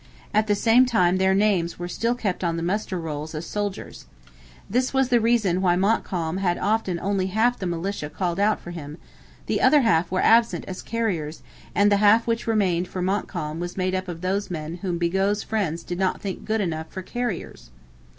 At the same time their names were still kept on the muster rolls as soldiers. This was the reason why Montcalm often had only half the militia called out for him: the other half were absent as carriers, and the half which remained for Montcalm was made up of those men whom Bigot's friends did not think good enough for carriers.